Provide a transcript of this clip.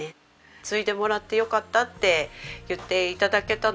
「継いでもらってよかった」って言って頂けたのが。